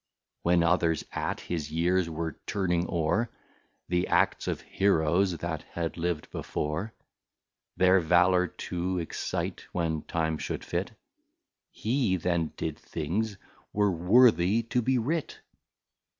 When others, at his Years were turning o're, The Acts of Heroes that had liv'd before, Their Valour to excite, when time should fit, He then did Things, were Worthy to be writ!